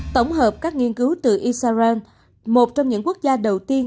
tổng hợp các nghiên cứu từ israel một trong những quốc gia đầu tiên